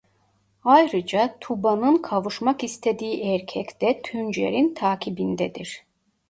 Ayrıca Tuba'nın kavuşmak istediği erkek de Tuncer'in takibindedir.